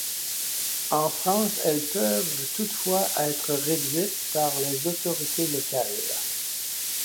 En France, elles peuvent toutefois être réduites par les autorités locales.